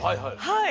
はい！